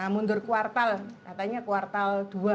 mundur kuartal katanya kuartal dua